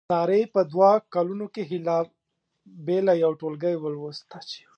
سارې په دوه کالونو کې هیله بیله یو ټولګی ولوست.